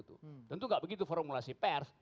tentu tidak begitu formulasi pers